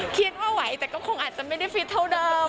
ว่าไหวแต่ก็คงอาจจะไม่ได้ฟิตเท่าเดิม